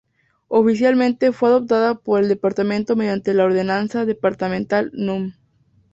Oficialmente fue adoptada por el departamento mediante la ordenanza departamental No.